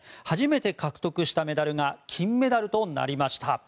初めて獲得したメダルが金メダルとなりました。